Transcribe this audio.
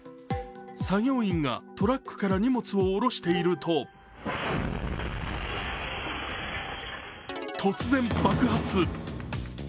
作業員がトラックから荷物を降ろしていると突然、爆発。